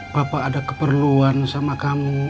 bapak ada keperluan sama kamu